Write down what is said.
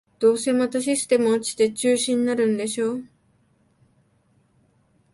どうせまたシステム落ちて中止になるんでしょ